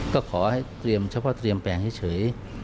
ก็ขอให้เตรียมเฉพาะเตรียมแปลงให้เฉย